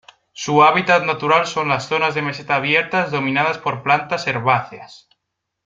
Su hábitat natural son las zonas de meseta abiertas dominadas por plantas herbáceas.